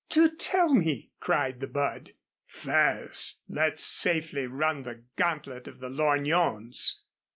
"Do tell me," cried the bud. "First, let's safely run the gantlet of the lorgnons."